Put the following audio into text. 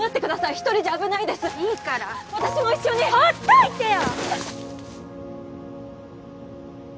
一人じゃ危ないいいから私も一緒にほっといてよ！